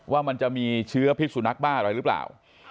ว่ามันจะมีเชื้อพิษสุนัขบ้าอะไรหรือเปล่า